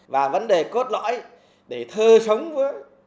và vấn đề cốt lõi để thơ sống với